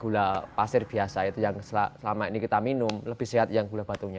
gula pasir biasa itu yang selama ini kita minum lebih sehat yang gula batunya